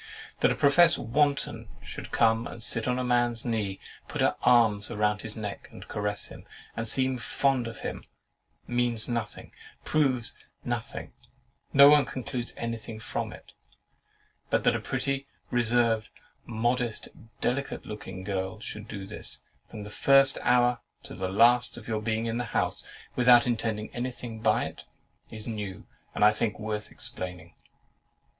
That a professed wanton should come and sit on a man's knee, and put her arms round his neck, and caress him, and seem fond of him, means nothing, proves nothing, no one concludes anything from it; but that a pretty, reserved, modest, delicate looking girl should do this, from the first hour to the last of your being in the house, without intending anything by it, is new, and, I think, worth explaining.